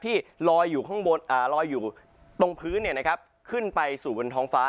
ที่ลอยอยู่ตรงพื้นขึ้นไปสู่บนท้องฟ้า